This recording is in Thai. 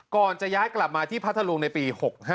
ก่อนจะย้ายกลับมาที่พัทธรุงในปี๖๕